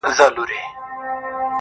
اوس بيا د ښار په ماځيگر كي جادو~